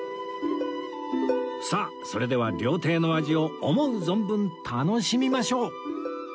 さあそれでは料亭の味を思う存分楽しみましょう